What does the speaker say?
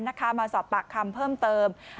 มาสอบปากคำเพิ่มเติม